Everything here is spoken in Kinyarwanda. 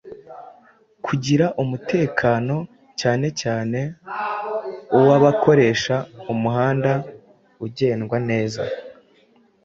kugira ngo umutekano cyane cyane uw’abakoresha umuhanda ugendwa neza